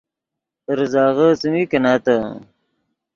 ریزغے څیمین کینتّے